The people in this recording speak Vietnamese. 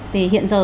thì hiện giờ